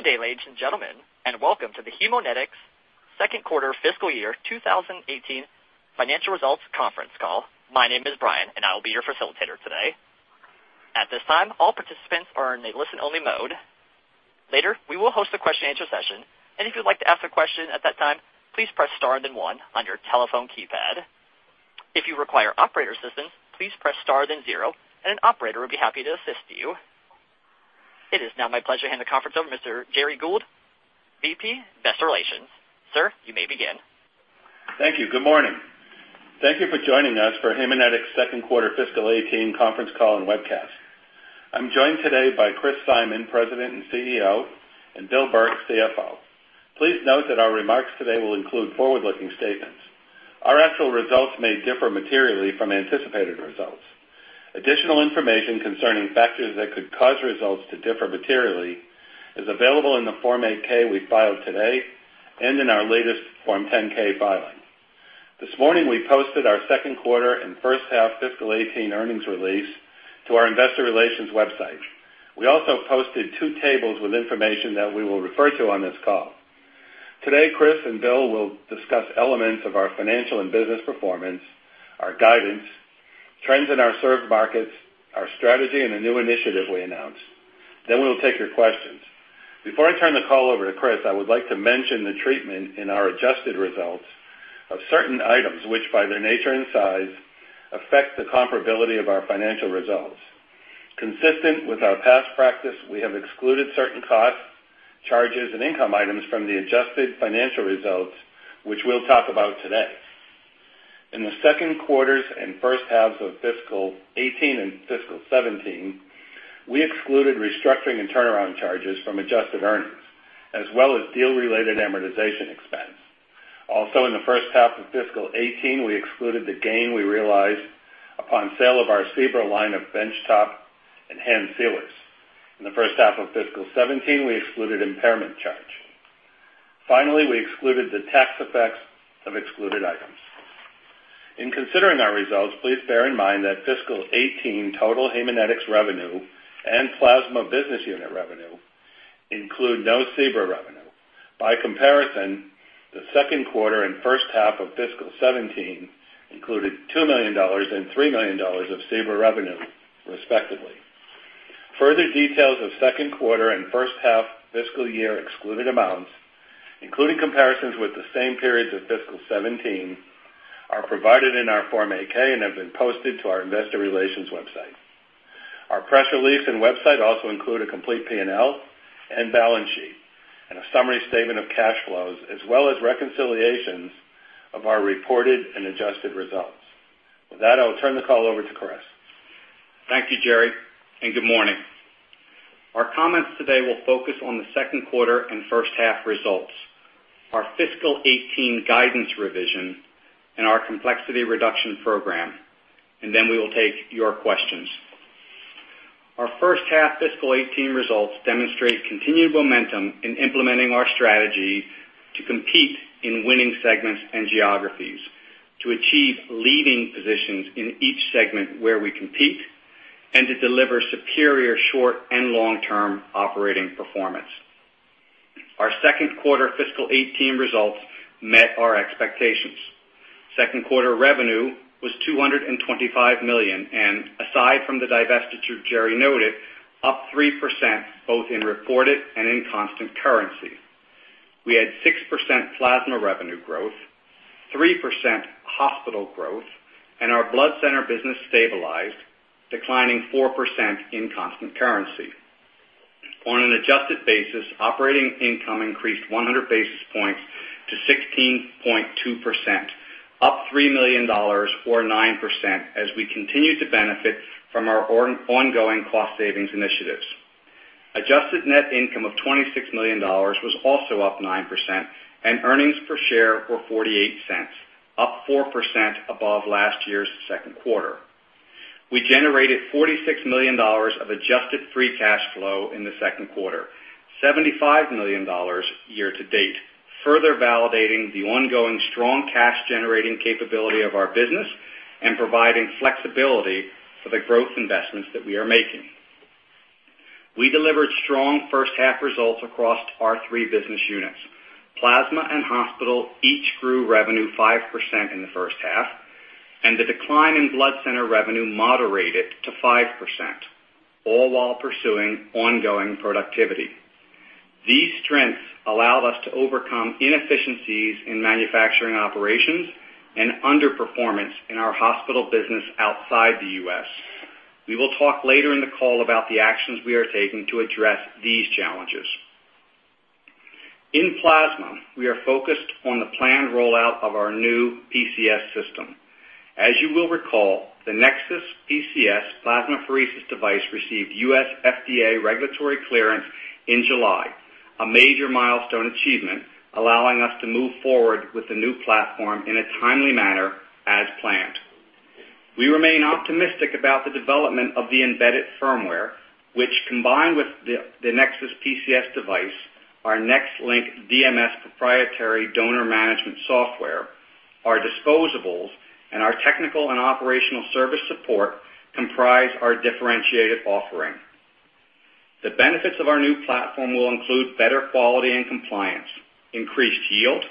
Good day, ladies and gentlemen, and welcome to the Haemonetics Second Quarter Fiscal Year 2018 Financial Results Conference Call. My name is Brian, and I will be your facilitator today. At this time, all participants are in a listen-only mode. Later, we will host a question-and-answer session, and if you'd like to ask a question at that time, please press star and then one on your telephone keypad. If you require operator assistance, please press star then zero, and an operator will be happy to assist you. It is now my pleasure to hand the conference over to Mr. Gerry Gould, VP Investor Relations. Sir, you may begin. Thank you. Good morning. Thank you for joining us for Haemonetics second quarter fiscal 2018 conference call and webcast. I'm joined today by Chris Simon, President and CEO, and Bill Burke, CFO. Please note that our remarks today will include forward-looking statements. Our actual results may differ materially from anticipated results. Additional information concerning factors that could cause results to differ materially is available in the Form 8-K we filed today and in our latest Form 10-K filing. This morning, we posted our second quarter and first-half fiscal 2018 earnings release to our investor relations website. We also posted two tables with information that we will refer to on this call. Today, Chris and Bill will discuss elements of our financial and business performance, our guidance, trends in our served markets, our strategy, and the new initiative we announced. We will take your questions. Before I turn the call over to Chris, I would like to mention the treatment in our adjusted results of certain items, which, by their nature and size, affect the comparability of our financial results. Consistent with our past practice, we have excluded certain costs, charges, and income items from the adjusted financial results, which we'll talk about today. In the second quarters and first halves of fiscal 2018 and fiscal 2017, we excluded restructuring and turnaround charges from adjusted earnings, as well as deal-related amortization expense. Also, in the first half of fiscal 2018, we excluded the gain we realized upon sale of our SEBRA line of benchtop and hand sealers. In the first half of fiscal 2017, we excluded impairment charge. Finally, we excluded the tax effects of excluded items. In considering our results, please bear in mind that fiscal 2018 total Haemonetics revenue and plasma business unit revenue include no SEBRA revenue. By comparison, the second quarter and first half of fiscal 2017 included $2 million and $3 million of SEBRA revenue, respectively. Further details of second quarter and first-half fiscal 2017 excluded amounts, including comparisons with the same periods of fiscal 2017, are provided in our Form 8-K and have been posted to our investor relations website. Our press release and website also include a complete P&L and balance sheet and a summary statement of cash flows, as well as reconciliations of our reported and adjusted results. With that, I will turn the call over to Chris. Thank you, Gerry, and good morning. Our comments today will focus on the second quarter and first-half results, our fiscal 2018 guidance revision, and our complexity reduction program. Then we will take your questions. Our first-half fiscal 2018 results demonstrate continued momentum in implementing our strategy to compete in winning segments and geographies, to achieve leading positions in each segment where we compete, and to deliver superior short and long-term operating performance. Our second quarter fiscal 2018 results met our expectations. Second quarter revenue was $225 million, and aside from the divestiture Gerry noted, up 3% both in reported and in constant currency. We had 6% plasma revenue growth, 3% hospital growth, and our blood center business stabilized, declining 4% in constant currency. On an adjusted basis, operating income increased 100 basis points to 16.2%, up $3 million, or 9%, as we continue to benefit from our ongoing cost savings initiatives. Adjusted net income of $26 million was also up 9%, and earnings per share were $0.48, up 4% above last year's second quarter. We generated $46 million of adjusted free cash flow in the second quarter, $75 million year to date, further validating the ongoing strong cash-generating capability of our business and providing flexibility for the growth investments that we are making. We delivered strong first-half results across our three business units. Plasma and hospital each grew revenue 5% in the first half, and the decline in blood center revenue moderated to 5%, all while pursuing ongoing productivity. These strengths allowed us to overcome inefficiencies in manufacturing operations and underperformance in our hospital business outside the U.S. We will talk later in the call about the actions we are taking to address these challenges. In plasma, we are focused on the planned rollout of our new PCS system. As you will recall, the NexSys PCS plasmapheresis device received U.S. FDA regulatory clearance in July, a major milestone achievement, allowing us to move forward with the new platform in a timely manner as planned. We remain optimistic about the development of the embedded firmware, which, combined with the NexSys PCS device, our NexLynk DMS proprietary donor management software, our disposables and our technical and operational service support comprise our differentiated offering. The benefits of our new platform will include better quality and compliance, increased yield,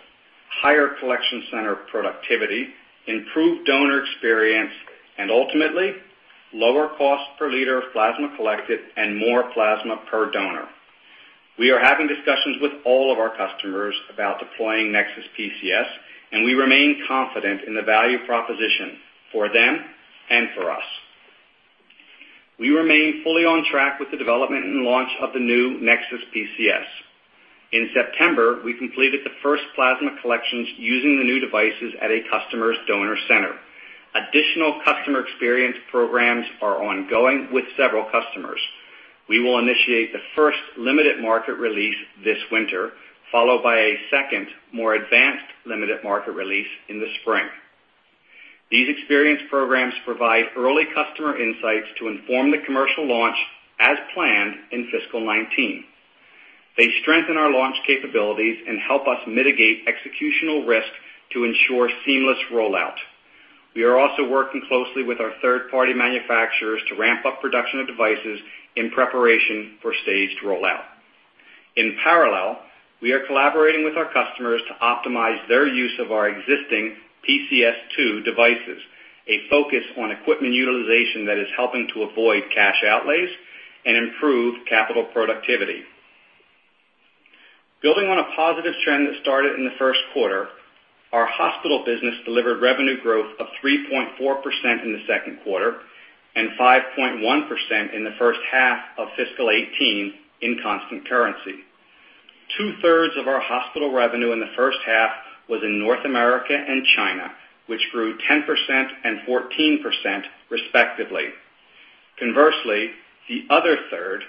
higher collection center productivity, improved donor experience, and ultimately, lower cost per liter of plasma collected and more plasma per donor. We are having discussions with all of our customers about deploying NexSys PCS, and we remain confident in the value proposition for them and for us. We remain fully on track with the development and launch of the new NexSys PCS. In September, we completed the first plasma collections using the new devices at a customer's donor center. Additional customer experience programs are ongoing with several customers. We will initiate the first limited market release this winter, followed by a second, more advanced limited market release in the spring. These experience programs provide early customer insights to inform the commercial launch as planned in fiscal 2019. They strengthen our launch capabilities and help us mitigate executional risk to ensure seamless rollout. We are also working closely with our third-party manufacturers to ramp up production of devices in preparation for staged rollout. In parallel, we are collaborating with our customers to optimize their use of our existing PCS2 devices, a focus on equipment utilization that is helping to avoid cash outlays and improve capital productivity. Building on a positive trend that started in the first quarter, our hospital business delivered revenue growth of 3.4% in the second quarter and 5.1% in the first half of fiscal 2018 in constant currency. Two-thirds of our hospital revenue in the first half was in North America and China, which grew 10% and 14%, respectively. Conversely, the other third,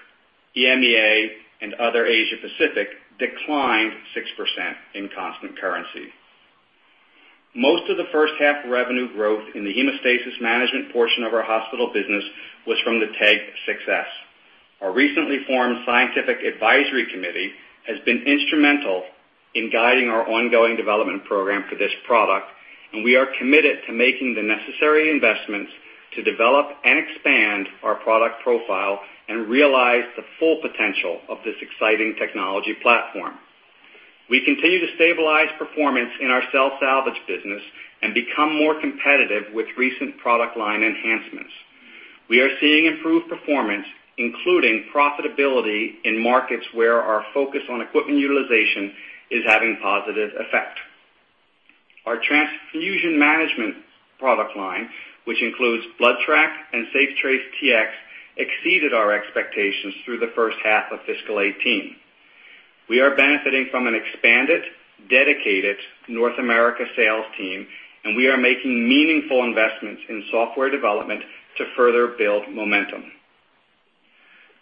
EMEA and other Asia Pacific, declined 6% in constant currency. Most of the first half revenue growth in the hemostasis management portion of our hospital business was from the TEG 6s. Our recently formed scientific advisory committee has been instrumental in guiding our ongoing development program for this product. We are committed to making the necessary investments to develop and expand our product profile and realize the full potential of this exciting technology platform. We continue to stabilize performance in our cell salvage business and become more competitive with recent product line enhancements. We are seeing improved performance, including profitability in markets where our focus on equipment utilization is having positive effect. Our transfusion management product line, which includes BloodTrack and SafeTrace Tx, exceeded our expectations through the first half of fiscal 2018. We are benefiting from an expanded, dedicated North America sales team. We are making meaningful investments in software development to further build momentum.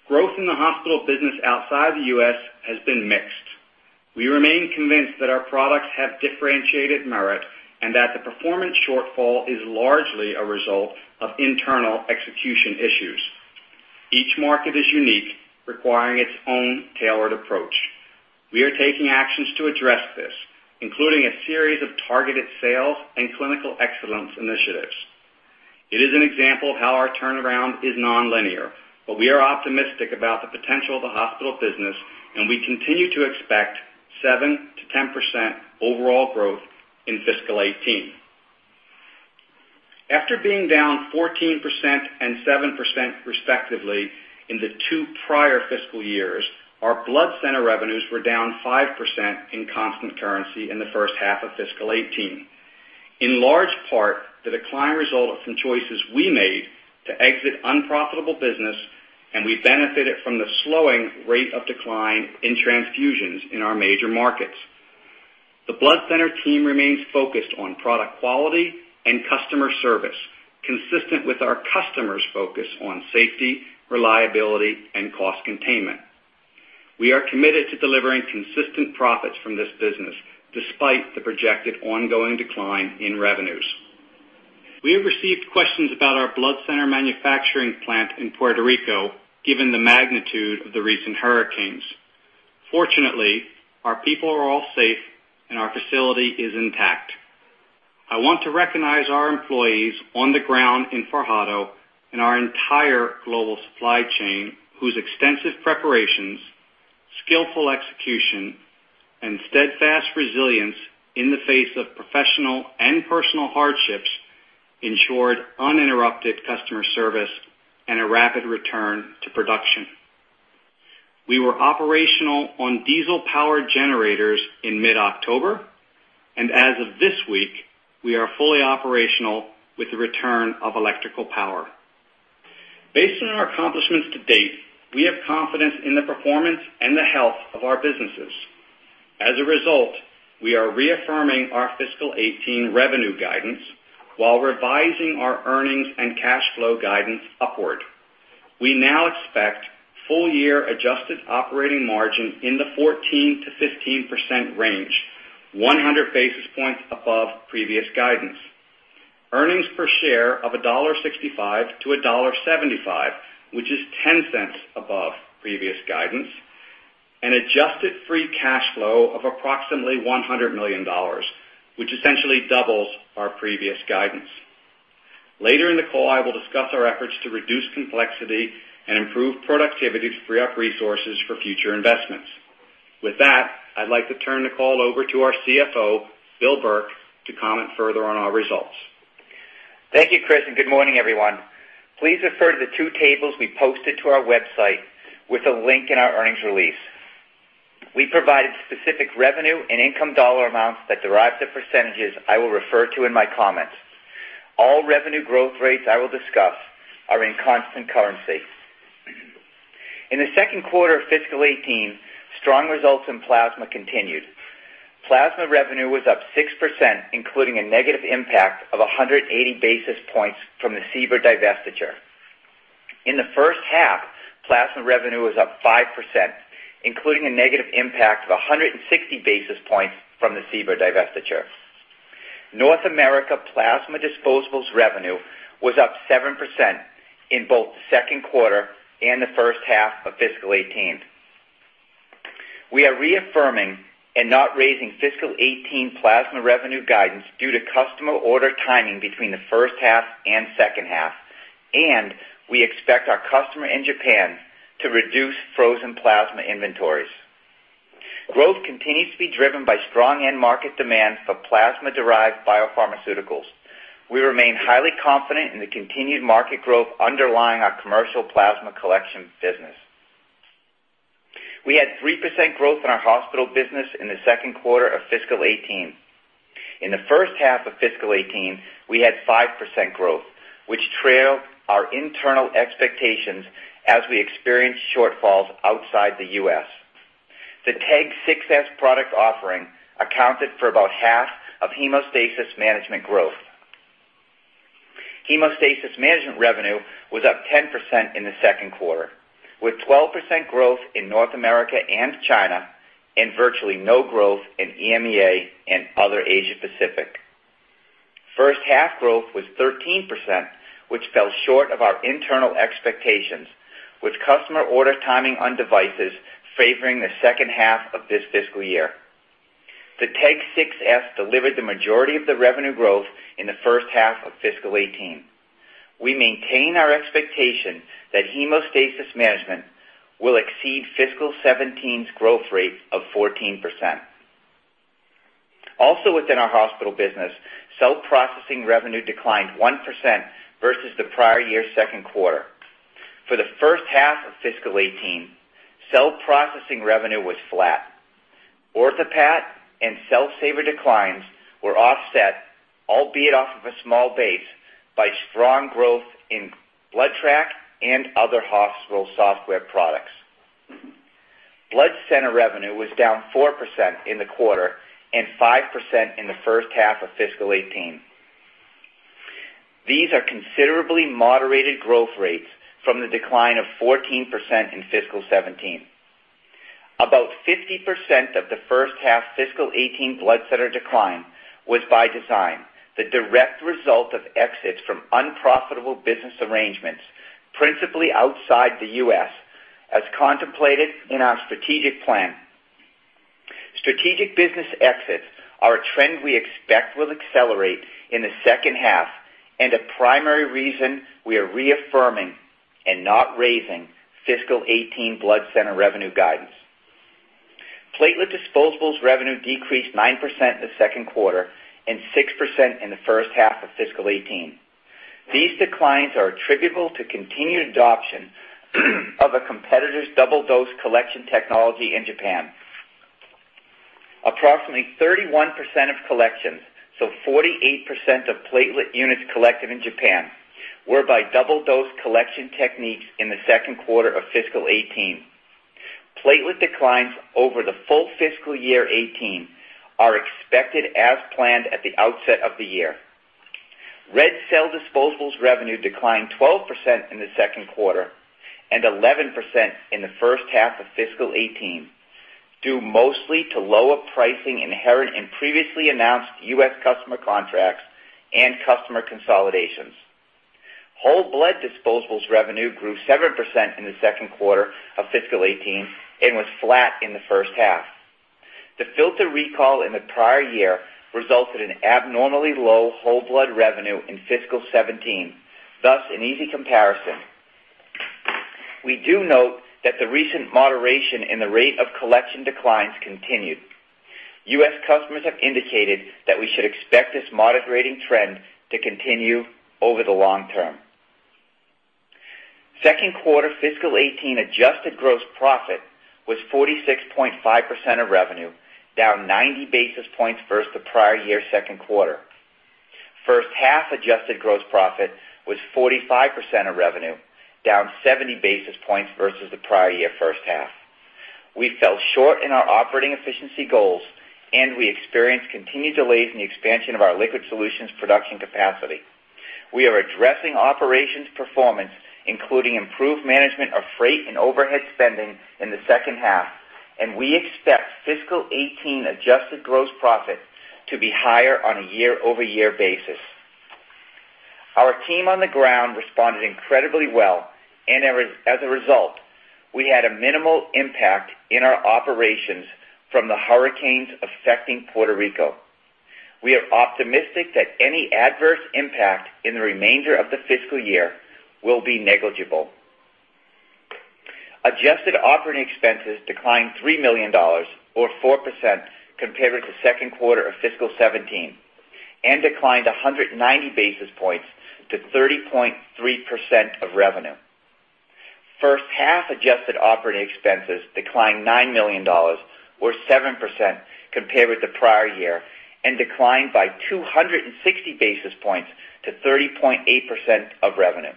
Growth in the hospital business outside the U.S. has been mixed. We remain convinced that our products have differentiated merit and that the performance shortfall is largely a result of internal execution issues. Each market is unique, requiring its own tailored approach. We are taking actions to address this, including a series of targeted sales and clinical excellence initiatives. It is an example of how our turnaround is nonlinear. We are optimistic about the potential of the hospital business. We continue to expect 7%-10% overall growth in fiscal 2018. After being down 14% and 7% respectively in the two prior fiscal years, our blood center revenues were down 5% in constant currency in the first half of fiscal 2018. In large part, the decline resulted from choices we made to exit unprofitable business. We benefited from the slowing rate of decline in transfusions in our major markets. The blood center team remains focused on product quality and customer service, consistent with our customers' focus on safety, reliability, and cost containment. We are committed to delivering consistent profits from this business, despite the projected ongoing decline in revenues. We have received questions about our blood center manufacturing plant in Puerto Rico, given the magnitude of the recent hurricanes. Fortunately, our people are all safe. Our facility is intact. I want to recognize our employees on the ground in Fajardo and our entire global supply chain, whose extensive preparations, skillful execution, and steadfast resilience in the face of professional and personal hardships ensured uninterrupted customer service and a rapid return to production. We were operational on diesel-powered generators in mid-October. As of this week, we are fully operational with the return of electrical power. Based on our accomplishments to date, we have confidence in the performance and the health of our businesses. As a result, we are reaffirming our fiscal 2018 revenue guidance while revising our earnings and cash flow guidance upward. We now expect full-year adjusted operating margin in the 14%-15% range, 100 basis points above previous guidance. Earnings per share of $1.65-$1.75, which is $0.10 above previous guidance, and adjusted free cash flow of approximately $100 million, which essentially doubles our previous guidance. Later in the call, I will discuss our efforts to reduce complexity and improve productivity to free up resources for future investments. With that, I'd like to turn the call over to our CFO, Bill Burke, to comment further on our results. Thank you, Chris, and good morning, everyone. Please refer to the two tables we posted to our website with a link in our earnings release. We provided specific revenue and income dollar amounts that derive the percentages I will refer to in my comments. All revenue growth rates I will discuss are in constant currency. In the second quarter of fiscal 2018, strong results in plasma continued. Plasma revenue was up 6%, including a negative impact of 180 basis points from the SEBRA divestiture. In the first half, plasma revenue was up 5%, including a negative impact of 160 basis points from the Ciber divestiture. North America Plasma Disposables revenue was up 7% in both the second quarter and the first half of fiscal 2018. We are reaffirming and not raising fiscal 2018 plasma revenue guidance due to customer order timing between the first half and second half, and we expect our customer in Japan to reduce frozen plasma inventories. Growth continues to be driven by strong end market demand for plasma-derived biopharmaceuticals. We remain highly confident in the continued market growth underlying our commercial plasma collection business. We had 3% growth in our hospital business in the second quarter of fiscal 2018. In the first half of fiscal 2018, we had 5% growth, which trailed our internal expectations as we experienced shortfalls outside the U.S. The TEG 6s product offering accounted for about half of hemostasis management growth. Hemostasis management revenue was up 10% in the second quarter, with 12% growth in North America and China, and virtually no growth in EMEA and other Asia-Pacific. First half growth was 13%, which fell short of our internal expectations with customer order timing on devices favoring the second half of this fiscal year. The TEG 6s delivered the majority of the revenue growth in the first half of fiscal 2018. We maintain our expectation that hemostasis management will exceed fiscal 2017's growth rate of 14%. Also within our hospital business, cell processing revenue declined 1% versus the prior year second quarter. For the first half of fiscal 2018, cell processing revenue was flat. OrthoPAT and Cell Saver declines were offset, albeit off of a small base, by strong growth in BloodTrack and other hospital software products. Blood center revenue was down 4% in the quarter and 5% in the first half of fiscal 2018. These are considerably moderated growth rates from the decline of 14% in fiscal 2017. About 50% of the first half fiscal 2018 blood center decline was by design, the direct result of exits from unprofitable business arrangements, principally outside the U.S., as contemplated in our strategic plan. Strategic business exits are a trend we expect will accelerate in the second half and a primary reason we are reaffirming and not raising fiscal 2018 blood center revenue guidance. Platelet disposables revenue decreased 9% in the second quarter and 6% in the first half of fiscal 2018. These declines are attributable to continued adoption of a competitor's double dose collection technology in Japan. Approximately 31% of collections, so 48% of platelet units collected in Japan, were by double dose collection techniques in the second quarter of fiscal 2018. Platelet declines over the full fiscal year 2018 are expected as planned at the outset of the year. Red cell disposables revenue declined 12% in the second quarter and 11% in the first half of fiscal 2018, due mostly to lower pricing inherent in previously announced U.S. customer contracts and customer consolidations. Whole blood disposables revenue grew 7% in the second quarter of fiscal 2018 and was flat in the first half. The filter recall in the prior year resulted in abnormally low whole blood revenue in fiscal 2017, thus an easy comparison. We do note that the recent moderation in the rate of collection declines continued. U.S. customers have indicated that we should expect this moderating trend to continue over the long term. Second quarter fiscal 2018 adjusted gross profit was 46.5% of revenue, down 90 basis points versus the prior year second quarter. First half adjusted gross profit was 45% of revenue, down 70 basis points versus the prior year first half. We fell short in our operating efficiency goals. We experienced continued delays in the expansion of our liquid solutions production capacity. We are addressing operations performance, including improved management of freight and overhead spending in the second half, and we expect fiscal 2018 adjusted gross profit to be higher on a year-over-year basis. Our team on the ground responded incredibly well. As a result, we had a minimal impact in our operations from the hurricanes affecting Puerto Rico. We are optimistic that any adverse impact in the remainder of the fiscal year will be negligible. Adjusted operating expenses declined $3 million, or 4%, compared with the second quarter of fiscal 2017, and declined 190 basis points to 30.3% of revenue. First half adjusted operating expenses declined $9 million, or 7%, compared with the prior year and declined by 260 basis points to 30.8% of revenue.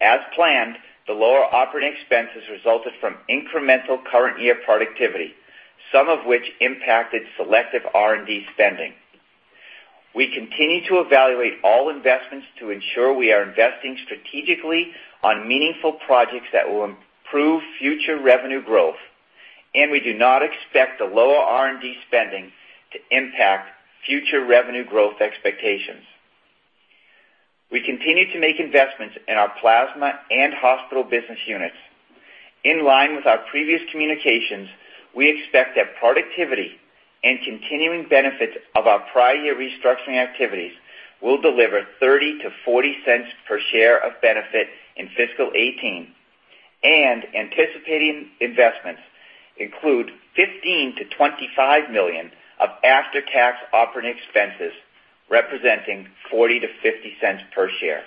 As planned, the lower operating expenses resulted from incremental current year productivity, some of which impacted selective R&D spending. We continue to evaluate all investments to ensure we are investing strategically on meaningful projects that will improve future revenue growth. We do not expect the lower R&D spending to impact future revenue growth expectations. We continue to make investments in our plasma and hospital business units. In line with our previous communications, we expect that productivity and continuing benefits of our prior year restructuring activities will deliver $0.30 to $0.40 per share of benefit in fiscal 2018, and anticipating investments include $15 million-$25 million of after-tax operating expenses, representing $0.40 to $0.50 per share.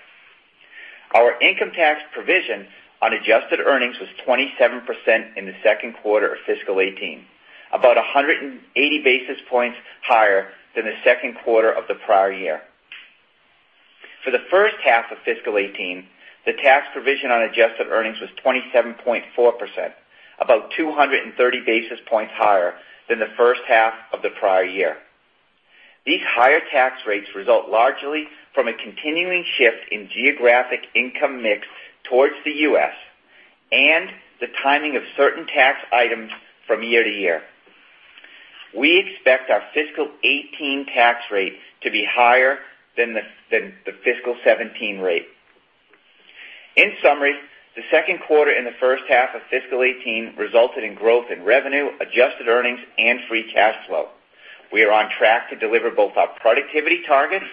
Our income tax provision on adjusted earnings was 27% in the second quarter of fiscal 2018, about 180 basis points higher than the second quarter of the prior year. For the first half of fiscal 2018, the tax provision on adjusted earnings was 27.4%, about 230 basis points higher than the first half of the prior year. These higher tax rates result largely from a continuing shift in geographic income mix towards the U.S. and the timing of certain tax items from year to year. We expect our fiscal 2018 tax rate to be higher than the fiscal 2017 rate. In summary, the second quarter in the first half of fiscal 2018 resulted in growth in revenue, adjusted earnings, and free cash flow. We are on track to deliver both our productivity targets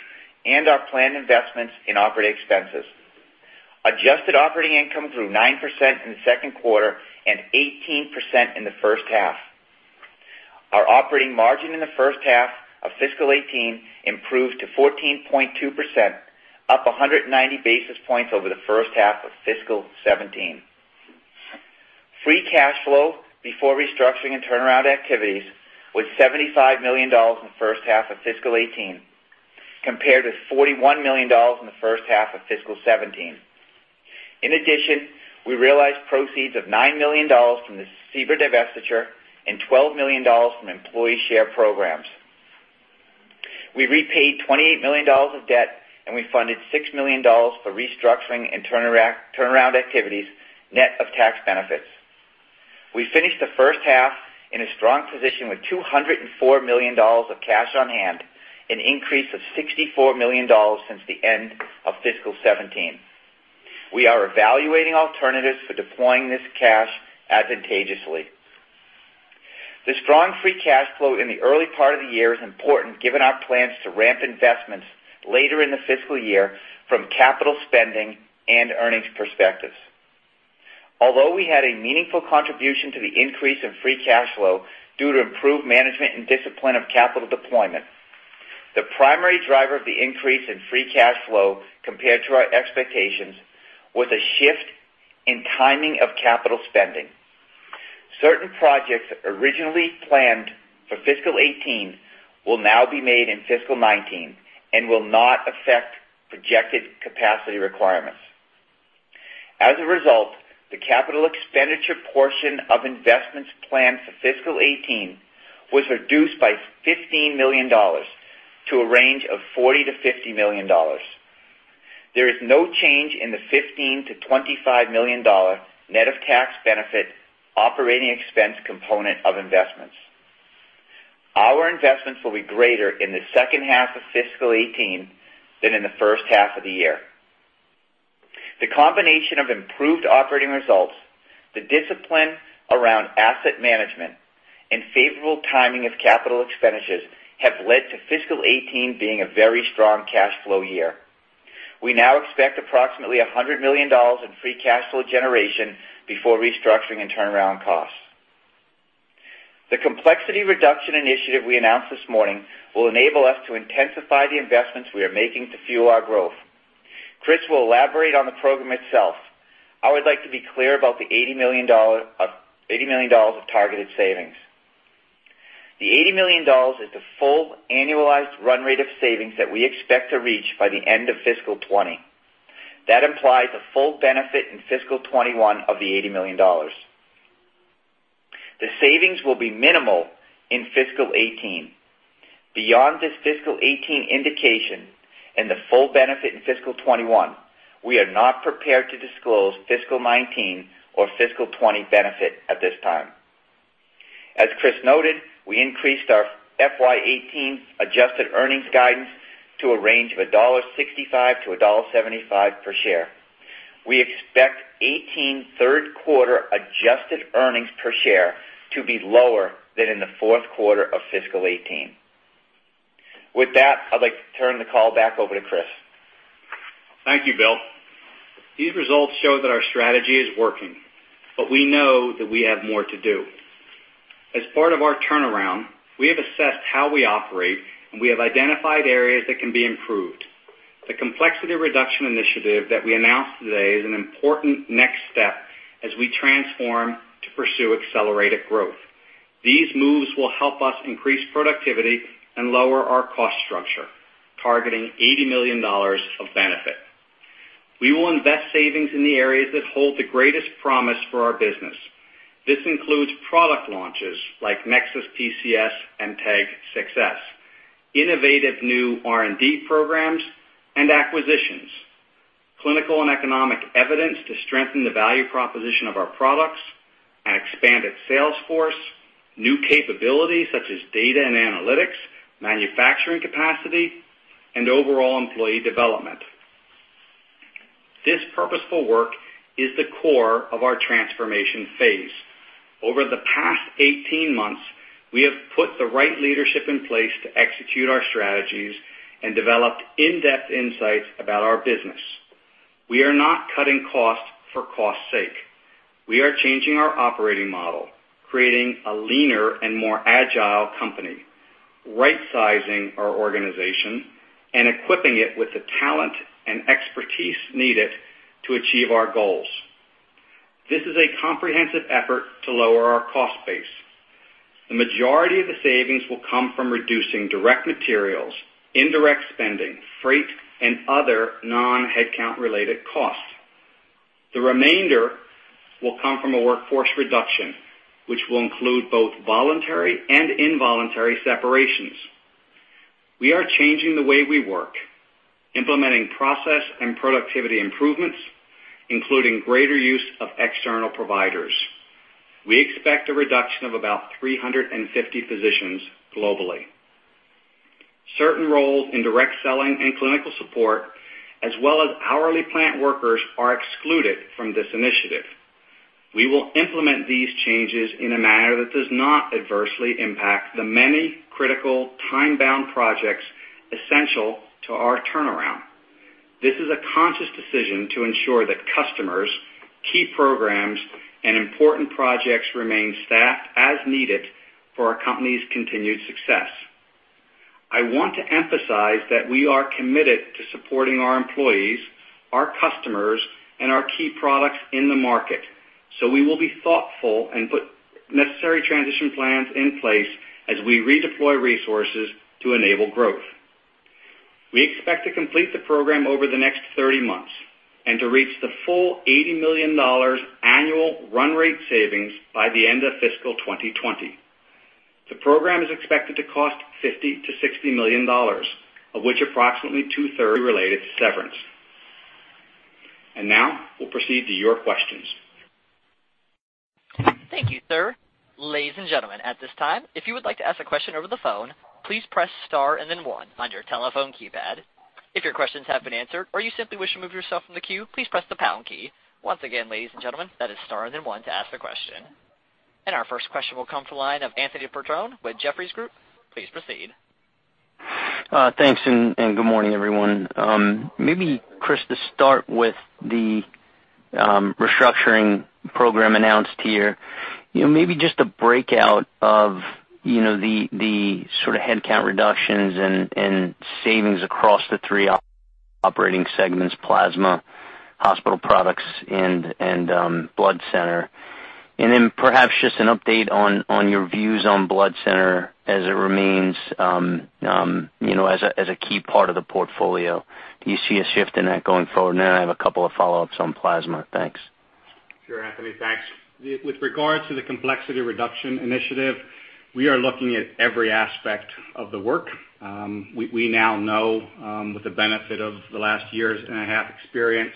and our planned investments in operating expenses. Adjusted operating income grew 9% in the second quarter and 18% in the first half. Our operating margin in the first half of fiscal 2018 improved to 14.2%, up 190 basis points over the first half of fiscal 2017. Free cash flow before restructuring and turnaround activities was $75 million in the first half of fiscal 2018, compared with $41 million in the first half of fiscal 2017. In addition, we realized proceeds of $9 million from the SEBRA divestiture and $12 million from employee share programs. We repaid $28 million of debt, and we funded $6 million for restructuring and turnaround activities, net of tax benefits. We finished the first half in a strong position with $204 million of cash on hand, an increase of $64 million since the end of fiscal 2017. We are evaluating alternatives for deploying this cash advantageously. The strong free cash flow in the early part of the year is important given our plans to ramp investments later in the fiscal year from capital spending and earnings perspectives. Although we had a meaningful contribution to the increase in free cash flow due to improved management and discipline of capital deployment, the primary driver of the increase in free cash flow compared to our expectations was a shift in timing of capital spending. Certain projects originally planned for fiscal 2018 will now be made in fiscal 2019 and will not affect projected capacity requirements. As a result, the capital expenditure portion of investments planned for fiscal 2018 was reduced by $15 million to a range of $40 million-$50 million. There is no change in the $15 million-$25 million net of tax benefit operating expense component of investments. Our investments will be greater in the second half of fiscal 2018 than in the first half of the year. The combination of improved operating results, the discipline around asset management, and favorable timing of capital expenditures have led to fiscal 2018 being a very strong cash flow year. We now expect approximately $100 million in free cash flow generation before restructuring and turnaround costs. The complexity reduction initiative we announced this morning will enable us to intensify the investments we are making to fuel our growth. Chris will elaborate on the program itself. I would like to be clear about the $80 million of targeted savings. The $80 million is the full annualized run rate of savings that we expect to reach by the end of fiscal 2020. That implies a full benefit in fiscal 2021 of the $80 million. The savings will be minimal in fiscal 2018. Beyond this fiscal 2018 indication and the full benefit in fiscal 2021, we are not prepared to disclose fiscal 2019 or fiscal 2020 benefit at this time. As Chris noted, we increased our FY 2018 adjusted earnings guidance to a range of $1.65-$1.75 per share. We expect 2018 third quarter adjusted earnings per share to be lower than in the fourth quarter of fiscal 2018. With that, I'd like to turn the call back over to Chris. Thank you, Bill. These results show that our strategy is working. We know that we have more to do. As part of our turnaround, we have assessed how we operate. We have identified areas that can be improved. The complexity reduction initiative that we announced today is an important next step as we transform to pursue accelerated growth. These moves will help us increase productivity and lower our cost structure, targeting $80 million of benefit. We will invest savings in the areas that hold the greatest promise for our business. This includes product launches like NexSys PCS and TEG 6s, innovative new R&D programs, acquisitions, clinical and economic evidence to strengthen the value proposition of our products, an expanded sales force, new capabilities such as data and analytics, manufacturing capacity, and overall employee development. This purposeful work is the core of our transformation phase. Over the past 18 months, we have put the right leadership in place to execute our strategies. We developed in-depth insights about our business. We are not cutting costs for cost's sake. We are changing our operating model, creating a leaner and more agile company, right-sizing our organization, and equipping it with the talent and expertise needed to achieve our goals. This is a comprehensive effort to lower our cost base. The majority of the savings will come from reducing direct materials, indirect spending, freight, and other non-headcount-related costs. The remainder will come from a workforce reduction, which will include both voluntary and involuntary separations. We are changing the way we work, implementing process and productivity improvements, including greater use of external providers. We expect a reduction of about 350 positions globally. Certain roles in direct selling and clinical support, as well as hourly plant workers, are excluded from this initiative. We will implement these changes in a manner that does not adversely impact the many critical time-bound projects essential to our turnaround. This is a conscious decision to ensure that customers, key programs, and important projects remain staffed as needed for our company's continued success. I want to emphasize that we are committed to supporting our employees, our customers, and our key products in the market. We will be thoughtful and put necessary transition plans in place as we redeploy resources to enable growth. We expect to complete the program over the next 30 months and to reach the full $80 million annual run rate savings by the end of fiscal 2020. The program is expected to cost $50 million-$60 million, of which approximately two-thirds are related to severance. Now we'll proceed to your questions. Thank you, sir. Ladies and gentlemen, at this time, if you would like to ask a question over the phone, please press star and then one on your telephone keypad. If your questions have been answered or you simply wish to remove yourself from the queue, please press the pound key. Once again, ladies and gentlemen, that is star and then one to ask a question. Our first question will come from the line of Anthony Petrone with Jefferies Group. Please proceed. Thanks, good morning, everyone. Maybe, Chris, to start with the restructuring program announced here, maybe just a breakout of the sort of headcount reductions and savings across the three operating segments, Plasma, Hospital Products, and Blood Center. Then perhaps just an update on your views on Blood Center as it remains as a key part of the portfolio. Do you see a shift in that going forward? Then I have a couple of follow-ups on Plasma. Thanks. Sure, Anthony, thanks. With regards to the complexity reduction initiative, we are looking at every aspect of the work. We now know, with the benefit of the last year and a half experience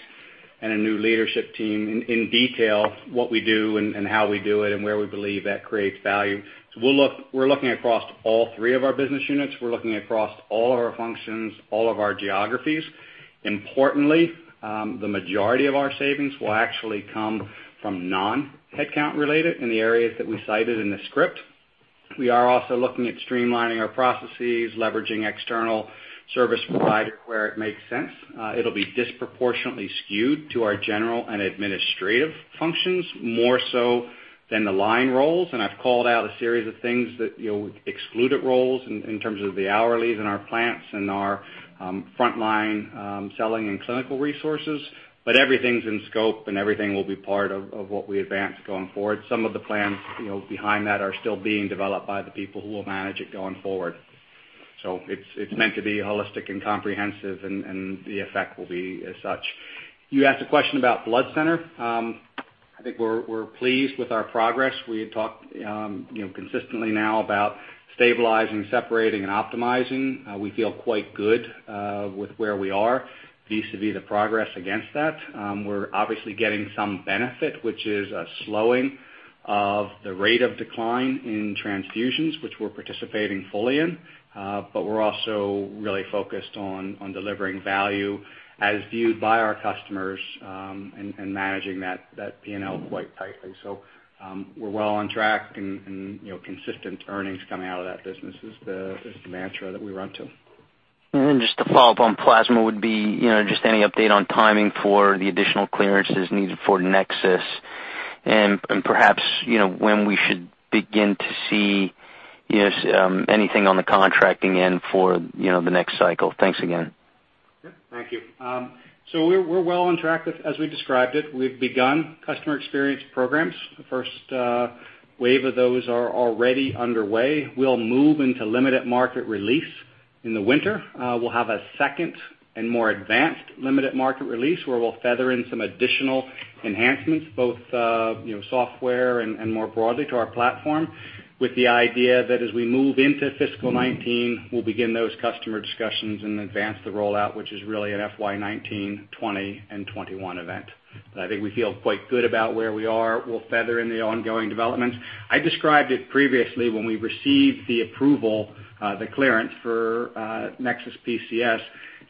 and a new leadership team, in detail what we do and how we do it and where we believe that creates value. We're looking across all three of our business units. We're looking across all of our functions, all of our geographies. Importantly, the majority of our savings will actually come from non-headcount related in the areas that we cited in the script. We are also looking at streamlining our processes, leveraging external service providers where it makes sense. It'll be disproportionately skewed to our general and administrative functions, more so than the line roles, and I've called out a series of things that excluded roles in terms of the hourlies in our plants and our frontline selling and clinical resources. Everything's in scope, and everything will be part of what we advance going forward. Some of the plans behind that are still being developed by the people who will manage it going forward. It's meant to be holistic and comprehensive, and the effect will be as such. You asked a question about blood center. I think we're pleased with our progress. We had talked consistently now about stabilizing, separating, and optimizing. We feel quite good with where we are vis-a-vis the progress against that. We're obviously getting some benefit, which is a slowing of the rate of decline in transfusions, which we're participating fully in. We're also really focused on delivering value as viewed by our customers, and managing that P&L quite tightly. We're well on track and consistent earnings coming out of that business is the mantra that we run to. Just to follow up on plasma would be, just any update on timing for the additional clearances needed for NexSys PCS and perhaps when we should begin to see anything on the contracting end for the next cycle? Thanks again. Yeah. Thank you. We're well on track with, as we described it. We've begun customer experience programs. The first wave of those are already underway. We'll move into limited market release in the winter. We'll have a second and more advanced limited market release where we'll feather in some additional enhancements, both software and more broadly to our platform with the idea that as we move into fiscal 2019, we'll begin those customer discussions and advance the rollout, which is really an FY 2019, 2020, and 2021 event. I think we feel quite good about where we are. We'll feather in the ongoing developments. I described it previously when we received the approval, the clearance for NexSys PCS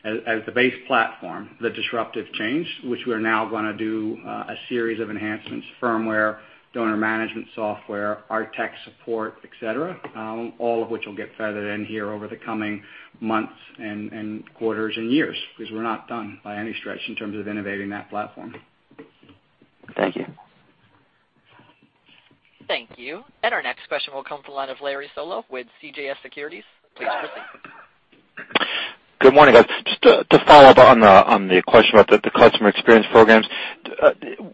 as the base platform, the disruptive change, which we're now going to do a series of enhancements, firmware, donor management software, our tech support, et cetera. All of which will get feathered in here over the coming months and quarters and years, because we're not done by any stretch in terms of innovating that platform. Thank you. Thank you. Our next question will come from the line of Larry Solow with CJS Securities. Please proceed. Good morning, guys. Just to follow up on the question about the customer experience programs.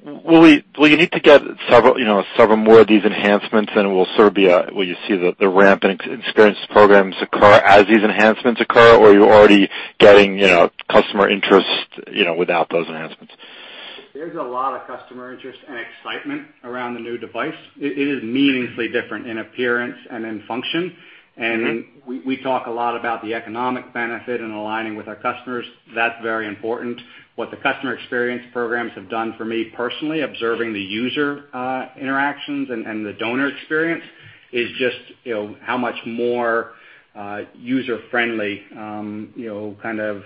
Will you need to get several more of these enhancements and will you see the ramp and experience programs occur as these enhancements occur, or are you already getting customer interest without those enhancements? There's a lot of customer interest and excitement around the new device. It is meaningfully different in appearance and in function. We talk a lot about the economic benefit and aligning with our customers. That's very important. What the customer experience programs have done for me personally, observing the user interactions and the donor experience, is just how much more user-friendly, kind of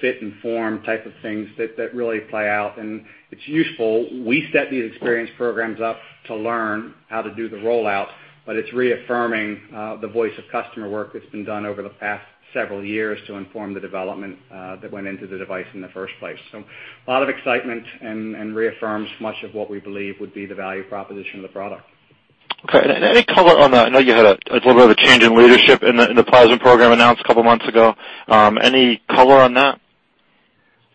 fit and form type of things that really play out, and it's useful. We set these experience programs up to learn how to do the rollout, it's reaffirming the voice of customer work that's been done over the past several years to inform the development that went into the device in the first place. A lot of excitement and reaffirms much of what we believe would be the value proposition of the product. Okay. Any color on that? I know you had a little bit of a change in leadership in the plasma program announced a couple of months ago. Any color on that?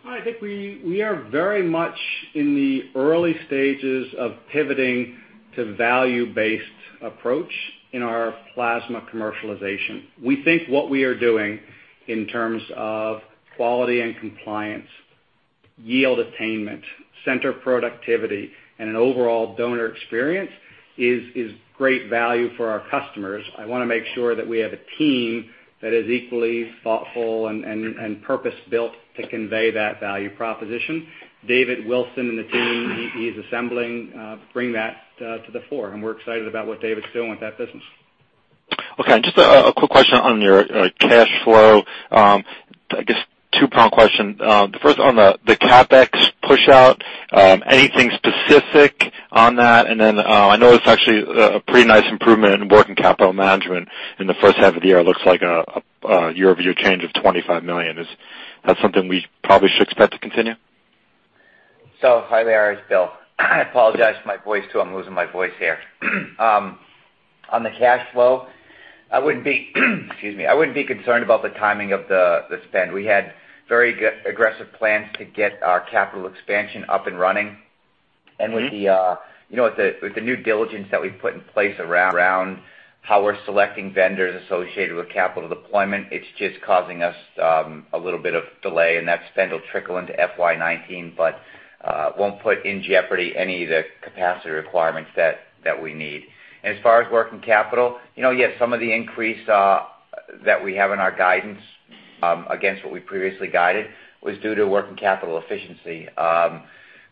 I think we are very much in the early stages of pivoting to value-based approach in our plasma commercialization. We think what we are doing in terms of quality and compliance, yield attainment, center productivity, and an overall donor experience is great value for our customers. I want to make sure that we have a team that is equally thoughtful and purpose-built to convey that value proposition. David Wilson and the team he's assembling bring that to the fore, and we're excited about what David's doing with that business. Okay. Just a quick question on your cash flow. I guess two-part question. The first on the CapEx push-out. Anything specific on that? I know it's actually a pretty nice improvement in working capital management in the first half of the year. It looks like a year-over-year change of $25 million. Is that something we probably should expect to continue? Hi, Larry. It's Bill. I apologize for my voice, too. I'm losing my voice here. On the cash flow, I wouldn't be concerned about the timing of the spend. We had very aggressive plans to get our capital expansion up and running. With the new diligence that we've put in place around how we're selecting vendors associated with capital deployment, it's just causing us a little bit of delay, that spend will trickle into FY 2019, but won't put in jeopardy any of the capacity requirements that we need. As far as working capital, yes, some of the increase that we have in our guidance, against what we previously guided, was due to working capital efficiency.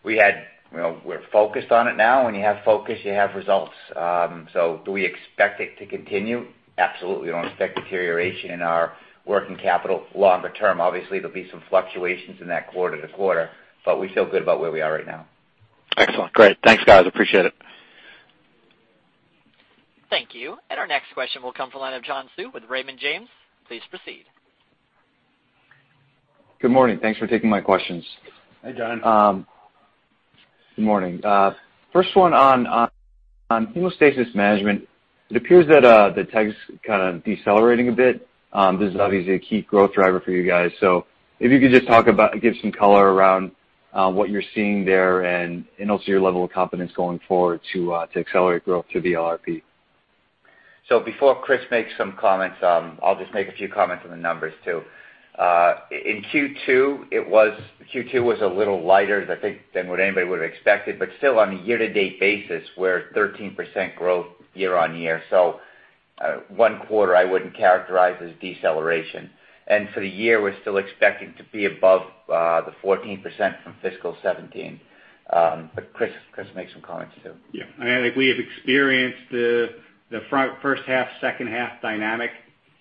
We're focused on it now. When you have focus, you have results. Do we expect it to continue? Absolutely. We don't expect deterioration in our working capital longer term. Obviously, there'll be some fluctuations in that quarter-to-quarter, but we feel good about where we are right now. Excellent. Great. Thanks, guys. Appreciate it. Thank you. Our next question will come from the line of John Hsu with Raymond James. Please proceed. Good morning. Thanks for taking my questions. Hi, John. Good morning. First one on hemostasis management. It appears that the TEG's kind of decelerating a bit. This is obviously a key growth driver for you guys. If you could just talk about, give some color around what you're seeing there, and also your level of confidence going forward to accelerate growth through the LRP. Before Chris makes some comments, I'll just make a few comments on the numbers, too. In Q2 was a little lighter, I think, than what anybody would've expected, but still on a year-to-date basis, we're at 13% growth year-over-year. One quarter I wouldn't characterize as deceleration. For the year, we're still expecting to be above the 14% from fiscal 2017. Chris, make some comments, too. I think we have experienced the first half/second half dynamic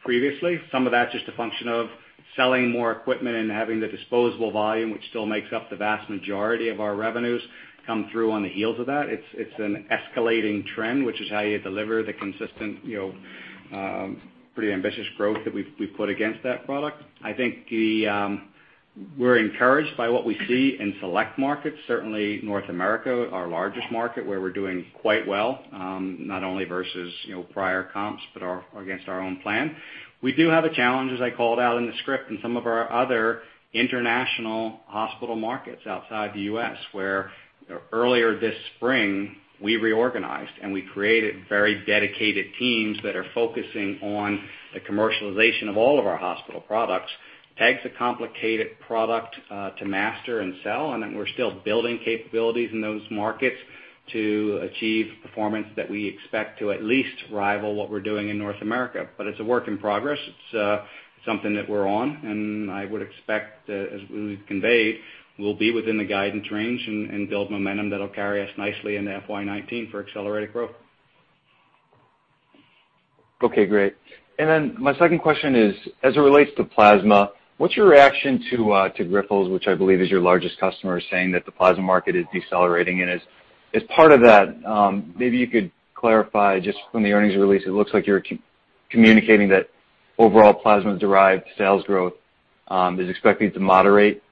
previously. Some of that's just a function of selling more equipment and having the disposable volume, which still makes up the vast majority of our revenues, come through on the heels of that. It's an escalating trend, which is how you deliver the consistent, pretty ambitious growth that we've put against that product. I think we're encouraged by what we see in select markets, certainly North America, our largest market, where we're doing quite well, not only versus prior comps, but against our own plan. We do have a challenge, as I called out in the script, in some of our other international hospital markets outside the U.S., where earlier this spring we reorganized and we created very dedicated teams that are focusing on the commercialization of all of our hospital products. TEG is a complicated product to master and sell, we're still building capabilities in those markets to achieve performance that we expect to at least rival what we're doing in North America. It's a work in progress. It's something that we're on, I would expect, as we conveyed, we'll be within the guidance range and build momentum that'll carry us nicely into FY 2019 for accelerated growth. Okay, great. My second question is, as it relates to plasma, what's your reaction to Grifols, which I believe is your largest customer, saying that the plasma market is decelerating? As part of that, maybe you could clarify, just from the earnings release, it looks like you're communicating that overall plasma-derived sales growth is expected to moderate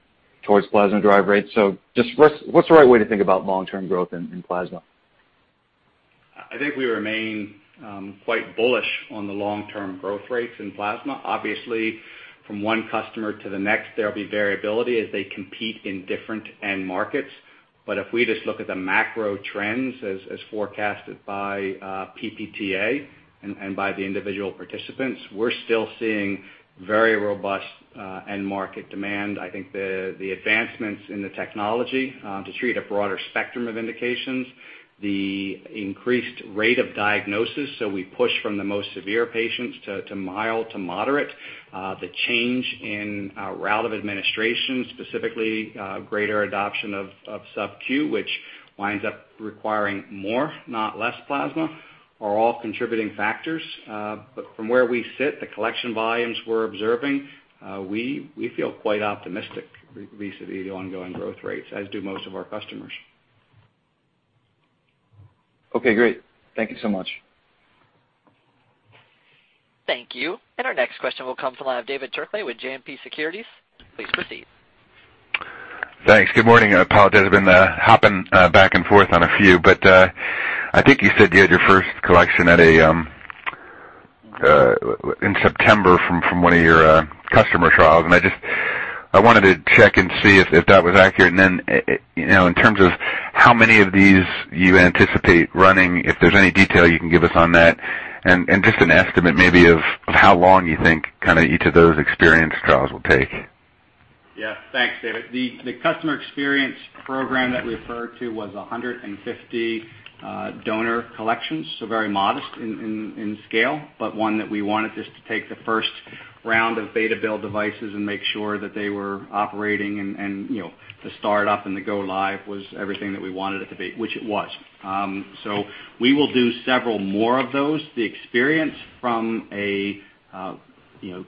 towards plasma drive rates. Just what's the right way to think about long-term growth in plasma? I think we remain quite bullish on the long-term growth rates in plasma. Obviously, from one customer to the next, there'll be variability as they compete in different end markets. If we just look at the macro trends as forecasted by PPTA and by the individual participants, we're still seeing very robust end market demand. I think the advancements in the technology to treat a broader spectrum of indications, the increased rate of diagnosis, so we push from the most severe patients to mild to moderate. The change in route of administration, specifically greater adoption of sub-Q, which winds up requiring more, not less plasma, are all contributing factors. From where we sit, the collection volumes we're observing, we feel quite optimistic vis-à-vis the ongoing growth rates, as do most of our customers. Okay, great. Thank you so much. Thank you. Our next question will come from the line of David Turkaly with JMP Securities. Please proceed. Thanks. Good morning. I apologize. I've been hopping back and forth on a few. I think you said you had your first collection in September from one of your customer trials, and I wanted to check and see if that was accurate. Then, in terms of how many of these you anticipate running, if there's any detail you can give us on that, and just an estimate maybe of how long you think each of those experience trials will take. Yeah. Thanks, David. The customer experience program that we referred to was 150 donor collections, very modest in scale, but one that we wanted just to take the first round of beta build devices and make sure that they were operating and the start-up and the go live was everything that we wanted it to be, which it was. We will do several more of those. The experience from a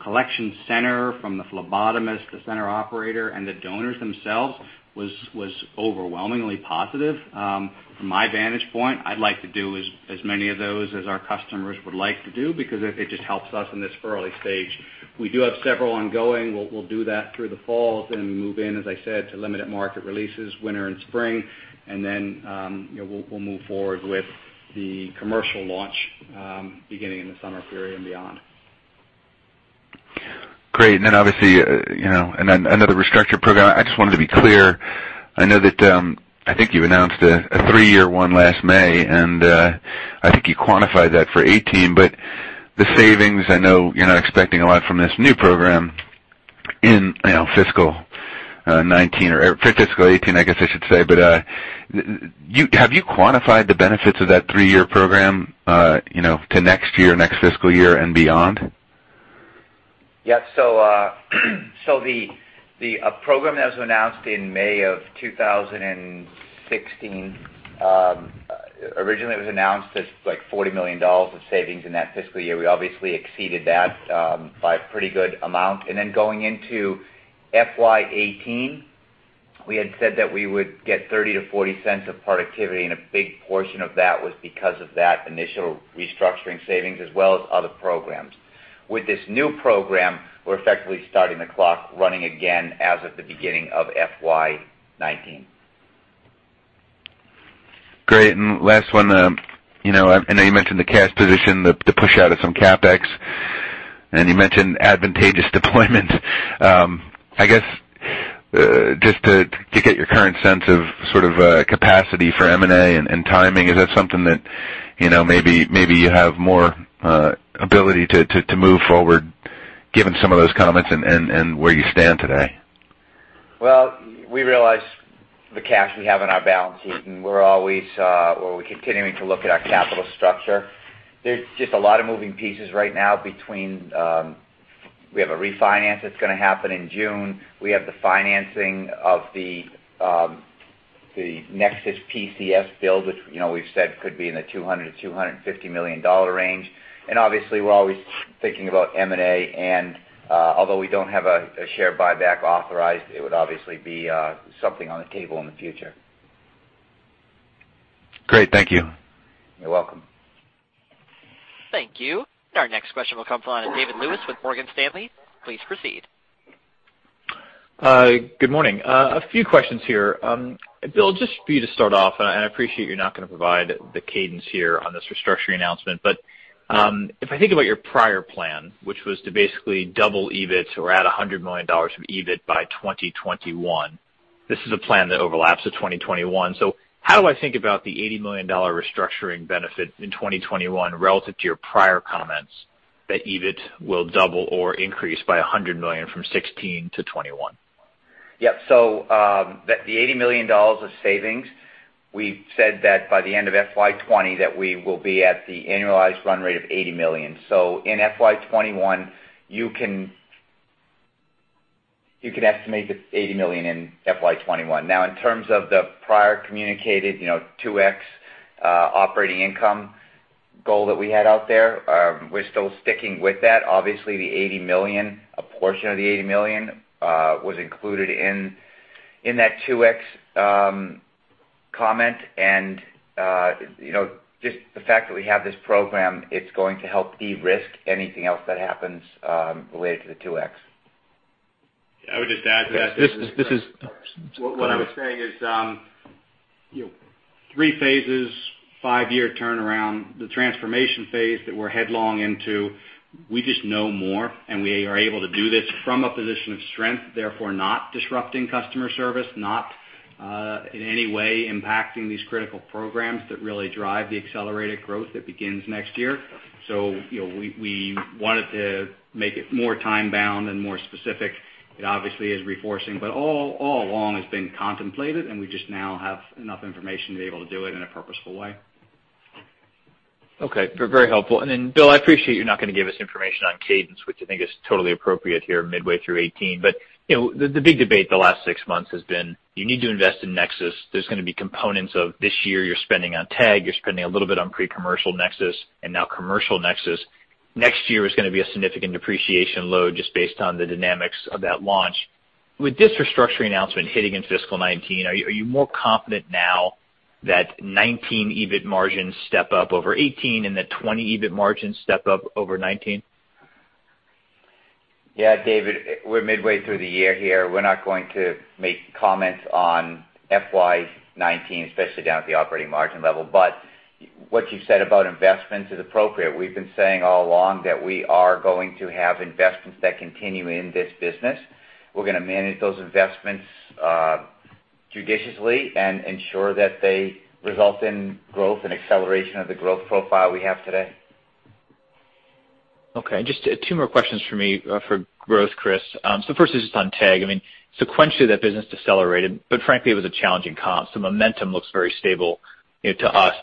collection center, from the phlebotomist, the center operator, and the donors themselves was overwhelmingly positive. From my vantage point, I'd like to do as many of those as our customers would like to do because it just helps us in this early stage. We do have several ongoing. We'll do that through the fall, then we move in, as I said, to limited market releases winter and spring, and then we'll move forward with the commercial launch beginning in the summer period and beyond. Great. Obviously, another restructure program, I just wanted to be clear. I think you announced a three-year one last May, and I think you quantified that for 2018. The savings, I know you're not expecting a lot from this new program in FY 2019, or for FY 2018, I guess I should say. Have you quantified the benefits of that three-year program to next year, next fiscal year, and beyond? Yeah. The program that was announced in May of 2016, originally it was announced as $40 million of savings in that fiscal year. We obviously exceeded that by a pretty good amount. Going into FY 2018, we had said that we would get $0.30 to $0.40 of productivity, and a big portion of that was because of that initial restructuring savings as well as other programs. With this new program, we're effectively starting the clock running again as of the beginning of FY 2019. Great. Last one, I know you mentioned the cash position, the push out of some CapEx, and you mentioned advantageous deployment. I guess, just to get your current sense of capacity for M&A and timing, is that something that maybe you have more ability to move forward given some of those comments and where you stand today? Well, we realize the cash we have on our balance sheet, we're always continuing to look at our capital structure. There's just a lot of moving pieces right now between, we have a refinance that's going to happen in June. We have the financing of the NexSys PCS build, which we've said could be in the $200 million-$250 million range. Obviously, we're always thinking about M&A, and although we don't have a share buyback authorized, it would obviously be something on the table in the future. Great. Thank you. You're welcome. Thank you. Our next question will come from the line of David Lewis with Morgan Stanley. Please proceed. Good morning. A few questions here. Bill, just for you to start off, I appreciate you're not going to provide the cadence here on this restructuring announcement. If I think about your prior plan, which was to basically double EBIT or add $100 million of EBIT by 2021, this is a plan that overlaps to 2021. How do I think about the $80 million restructuring benefit in 2021 relative to your prior comments that EBIT will double or increase by $100 million from 2016 to 2021? Yep. The $80 million of savings, we've said that by the end of FY 2020, that we will be at the annualized run rate of $80 million. In FY 2021, you can estimate the $80 million in FY 2021. Now, in terms of the prior communicated 2X operating income goal that we had out there, we're still sticking with that. Obviously, a portion of the $80 million was included in that 2X comment. Just the fact that we have this program, it's going to help de-risk anything else that happens related to the 2X. I would just add to that- This is- What I would say is, three phases, five-year turnaround. The transformation phase that we're headlong into, we just know more, and we are able to do this from a position of strength, therefore not disrupting customer service, not in any way impacting these critical programs that really drive the accelerated growth that begins next year. We wanted to make it more time-bound and more specific. It obviously is reinforcing, but all along it's been contemplated, and we just now have enough information to be able to do it in a purposeful way. Okay. Very helpful. Bill, I appreciate you're not going to give us information on cadence, which I think is totally appropriate here midway through 2018. The big debate the last six months has been, you need to invest in NexSys. There's going to be components of this year, you're spending on TEG, you're spending a little bit on pre-commercial NexSys and now commercial NexSys. Next year is going to be a significant depreciation load just based on the dynamics of that launch. With this restructuring announcement hitting in fiscal 2019, are you more confident now that 2019 EBIT margins step up over 2018 and the 2020 EBIT margins step up over 2019? Yeah, David, we're midway through the year here. We're not going to make comments on FY 2019, especially down at the operating margin level. What you said about investments is appropriate. We've been saying all along that we are going to have investments that continue in this business. We're going to manage those investments judiciously and ensure that they result in growth and acceleration of the growth profile we have today. Just two more questions from me for growth, Chris. The first is just on TEG. Sequentially, that business decelerated, frankly, it was a challenging comp. Momentum looks very stable to us.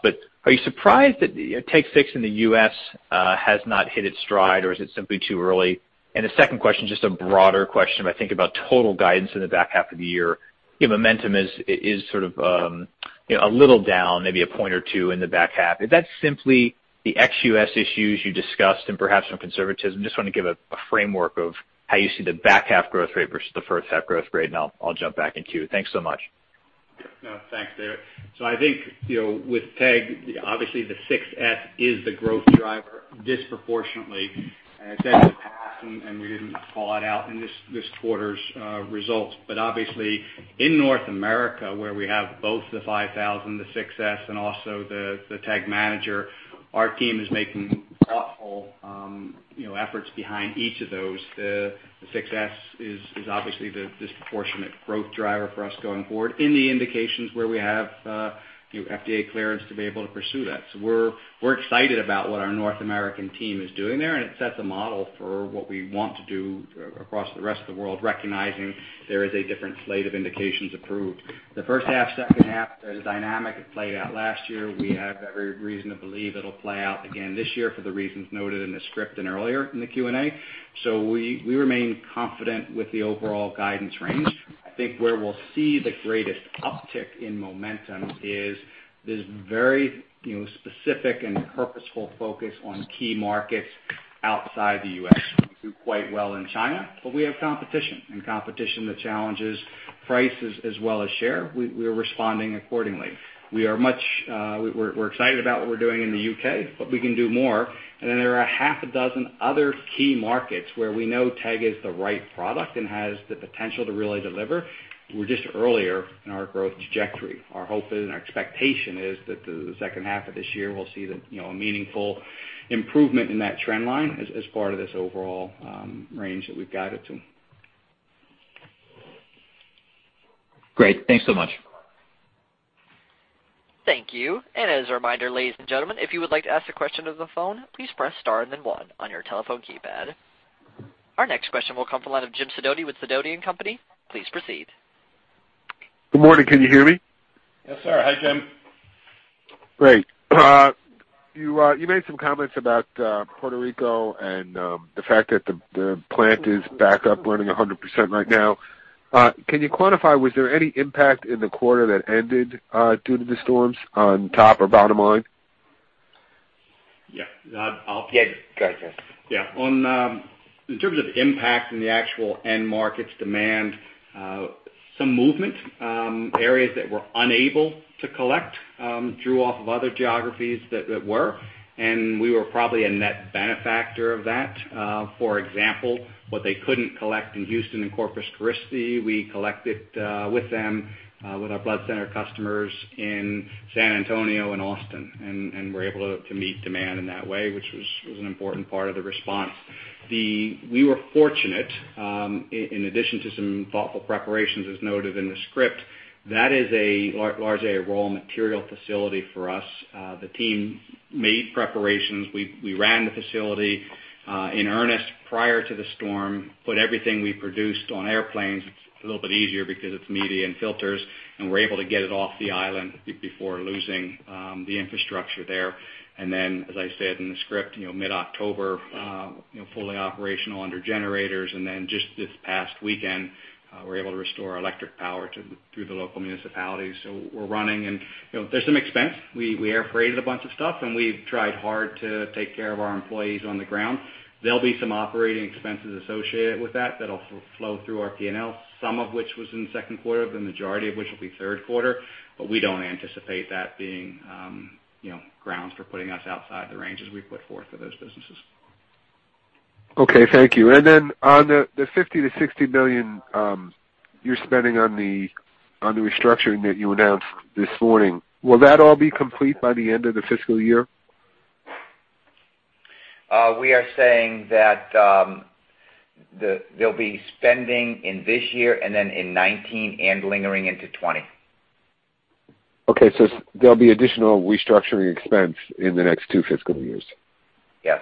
Are you surprised that TEG 6s in the U.S. has not hit its stride, or is it simply too early? The second question, just a broader question, I think about total guidance in the back half of the year. Momentum is sort of a little down, maybe a point or two in the back half. Is that simply the ex-U.S. issues you discussed and perhaps some conservatism? I just want to give a framework of how you see the back half growth rate versus the first half growth rate, and I'll jump back in queue. Thanks so much. No, thanks, David. I think with TEG, obviously the TEG 6s is the growth driver disproportionately. That's the past, we didn't call it out in this quarter's results. Obviously in North America, where we have both the TEG 5000, the TEG 6s, and also the TEG Manager, our team is making thoughtful efforts behind each of those. The TEG 6s is obviously the disproportionate growth driver for us going forward in the indications where we have FDA clearance to be able to pursue that. We're excited about what our North American team is doing there, it sets a model for what we want to do across the rest of the world, recognizing there is a different slate of indications approved. The first half, second half, the dynamic that played out last year, we have every reason to believe it'll play out again this year for the reasons noted in the script and earlier in the Q&A. We remain confident with the overall guidance range. I think where we'll see the greatest uptick in momentum is this very specific and purposeful focus on key markets outside the U.S. We do quite well in China, we have competition that challenges prices as well as share. We're responding accordingly. We're excited about what we're doing in the U.K., we can do more. There are a half a dozen other key markets where we know TEG is the right product and has the potential to really deliver. We're just earlier in our growth trajectory. Our hope is and our expectation is that the second half of this year will see a meaningful improvement in that trend line as part of this overall range that we've guided to. Great. Thanks so much. Thank you. As a reminder, ladies and gentlemen, if you would like to ask a question over the phone, please press star and then one on your telephone keypad. Our next question will come from the line of Jim Sidoti with Sidoti & Company. Please proceed. Good morning. Can you hear me? Yes, sir. Hi, Jim. Great. You made some comments about Puerto Rico and the fact that the plant is back up running 100% right now. Can you quantify, was there any impact in the quarter that ended due to the storms on top or bottom line? Yeah. Yeah, go ahead, Jim. Yeah. In terms of impact in the actual end markets demand, some movement. Areas that were unable to collect drew off of other geographies that were, and we were probably a net benefactor of that. For example, what they couldn't collect in Houston and Corpus Christi, we collected with them, with our blood center customers in San Antonio and Austin, and were able to meet demand in that way, which was an important part of the response. We were fortunate, in addition to some thoughtful preparations as noted in the script, that is largely a raw material facility for us. The team made preparations. We ran the facility in earnest prior to the storm, put everything we produced on airplanes. It's a little bit easier because it's media and filters, and we're able to get it off the island before losing the infrastructure there. As I said in the script, mid-October, fully operational under generators. Just this past weekend, we're able to restore electric power through the local municipality. We're running and there's some expense. We air freighted a bunch of stuff, and we've tried hard to take care of our employees on the ground. There'll be some operating expenses associated with that'll flow through our P&L, some of which was in the second quarter, the majority of which will be third quarter. We don't anticipate that being grounds for putting us outside the ranges we put forth for those businesses. Okay, thank you. On the $50 million-$60 million you're spending on the restructuring that you announced this morning, will that all be complete by the end of the fiscal year? We are saying that there'll be spending in this year, in 2019 and lingering into 2020. Okay, there'll be additional restructuring expense in the next two fiscal years? Yes.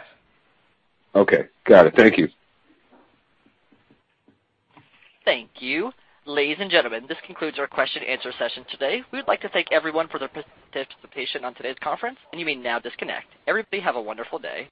Okay. Got it. Thank you. Thank you. Ladies and gentlemen, this concludes our question and answer session today. We would like to thank everyone for their participation on today's conference. You may now disconnect. Everybody, have a wonderful day.